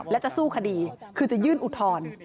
และจะสู้คดีคือจะยื่นอุทธรณ์